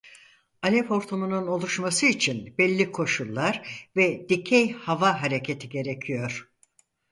Alev hortumunun oluşması için belli koşullar ve dikey hava hareketi gerekiyor.